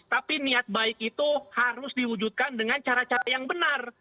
tapi niat baik itu harus diwujudkan dengan cara cara yang benar